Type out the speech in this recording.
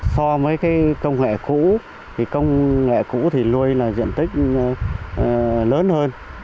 so với cái công nghệ cũ thì công nghệ cũ thì nuôi là diện tích lớn hơn